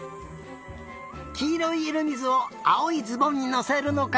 きいろいいろみずをあおいズボンにのせるのか。